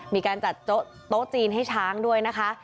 มีการจัดโต๊ะจีนให้ช้างด้วยนะคะ